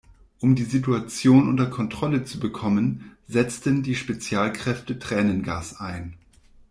Um die Situation unter Kontrolle zu bekommen, setzten die Spezialkräfte Tränengas ein.